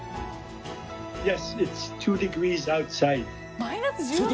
マイナス１６度！？